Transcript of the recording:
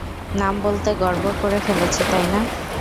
নাম বলতে গড়বড় করে ফেলেছি, তাই না?